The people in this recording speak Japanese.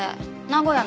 名古屋？